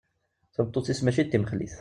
Tameṭṭut-is mačči d timexlit.